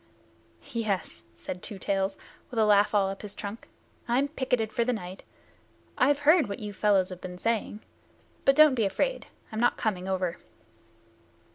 "Yes," said Two Tails, with a laugh all up his trunk. "I'm picketed for the night. I've heard what you fellows have been saying. But don't be afraid. I'm not coming over."